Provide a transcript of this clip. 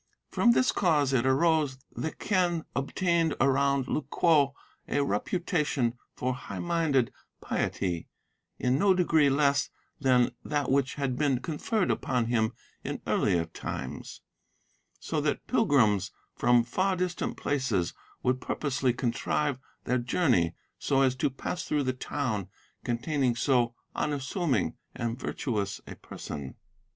From this cause it arose the Quen obtained around Lu kwo a reputation for high minded piety, in no degree less than that which had been conferred upon him in earlier times, so that pilgrims from far distant places would purposely contrive their journey so as to pass through the town containing so unassuming and virtuous a person.